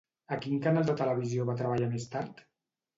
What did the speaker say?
A quin canal de televisió va treballar més tard?